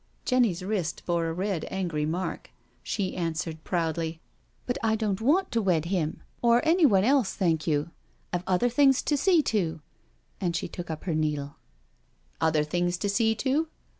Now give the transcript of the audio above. Jenny's wrist bore, a red, angry mark. She answered proudly 2 '* But I don't want to wed him — or anyone else, thank you. I've other things to see to." And she took up her needle. " Other things to see to?"